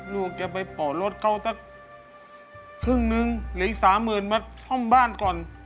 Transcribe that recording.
ลูกจะไปเปิดรถเขาสักครึ่งนึงหรืออีกสามหมื่นมาซ่อมบ้านก่อน